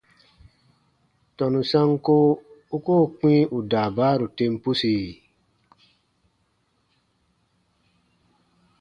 Tɔnu sanko u koo kpĩ ù daabaaru tem pusi?